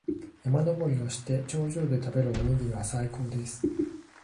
山登りをして、頂上で食べるおにぎりは最高です。